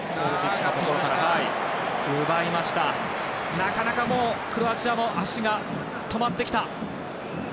なかなかクロアチアも足が止まってきた。